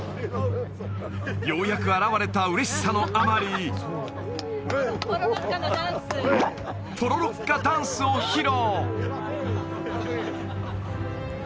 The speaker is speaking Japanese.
ようやく現れた嬉しさのあまりポロロッカのダンスポロロッカダンスを披露！